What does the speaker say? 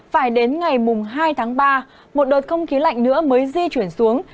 phải đến ngày hai tháng ba một đợt không khí lạnh nữa mới di chuyển xuống